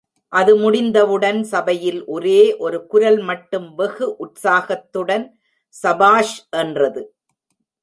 அது முடிந்தவுடன் சபையில் ஒரே ஒரு குரல் மட்டும் வெகு உற்சாகத்துடன் சபாஷ் என்றது.